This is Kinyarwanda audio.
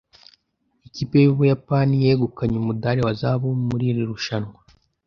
Ikipe y'Ubuyapani yegukanye umudari wa zahabu muri iri rushanwa.